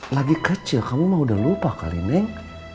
lagi kaca kamu mah udah lupa kali neng